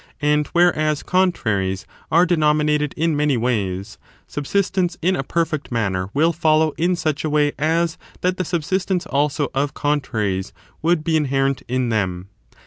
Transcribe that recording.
And whereas contraries^ are denomi nated in many ways, subsistence in a perfect manner will follow in such a way as that the subsistence also of contraries would be inherent in them.